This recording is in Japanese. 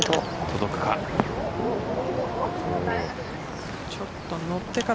届くか。